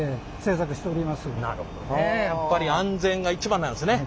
やっぱり安全が一番なんですね。